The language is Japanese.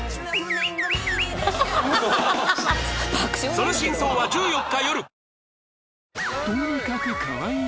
その真相は１４日よる！